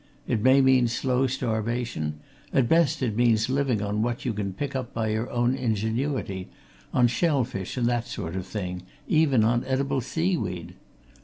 It may mean slow starvation at best it means living on what you can pick up by your own ingenuity, on shell fish and that sort of thing, even on edible sea weed.